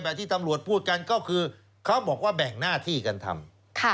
ที่ตำรวจพูดกันก็คือเขาบอกว่าแบ่งหน้าที่กันทำ